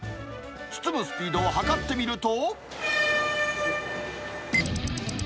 包むスピードを測ってみると。